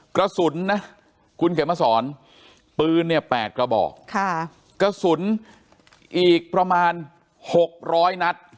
กระสุนนะคุณเขียนมาสอนปืนเนี่ย๘กระบอกกระสุนอีกประมาณ๖๐๐นัด